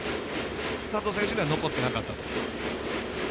佐藤選手には残ってなかった。